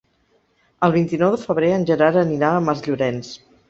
El vint-i-nou de febrer en Gerard anirà a Masllorenç.